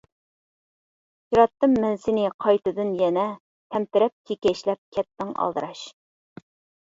ئۇچراتتىم مەن سېنى قايتىدىن يەنە، تەمتىرەپ، كېكەچلەپ، كەتتىڭ ئالدىراش.